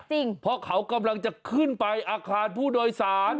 เพราะเขากำลังจะขึ้นไปอาคารผู้โดยสาร